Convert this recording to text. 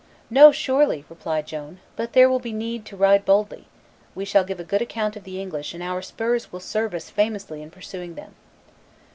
"No, surely," replied Joan: "but there will be need to ride boldly; we shall give a good account of the English, and our spurs will serve us famously in pursuing them."